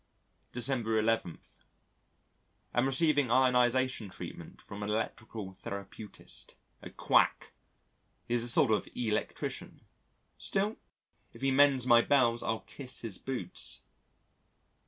December 11. Am receiving ionisation treatment from an electrical therapeutist a quack! He is a sort of electrician still, if he mends my bells I'll kiss his boots.